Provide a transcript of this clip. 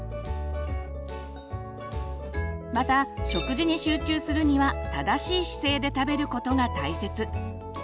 また食事に集中するには正しい姿勢で食べることが大切。